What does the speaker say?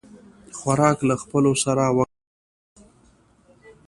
خوراک له خپلو سره وکړه او